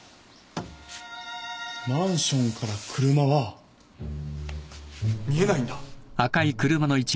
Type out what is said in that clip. マンションから車は見えないんだ。